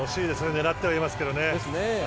狙っていますけどね。